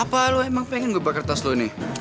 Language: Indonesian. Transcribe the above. apa lu emang pengen gue bakar tas lu ini